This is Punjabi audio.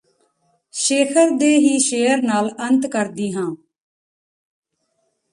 ਸ਼ੇਖਰ ਦੇ ਹੀ ਸ਼ੇਅਰ ਨਾਲ ਅੰਤ ਕਰਦੀ ਹਾਂ